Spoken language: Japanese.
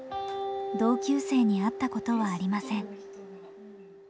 同級生に会ったことはありません。